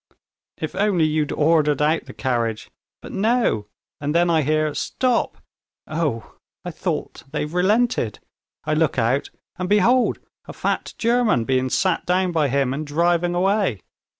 "If only you'd ordered out the carriage! But no! and then I hear: 'Stop!' Oh, I thought they've relented. I look out, and behold a fat German being sat down by him and driving away....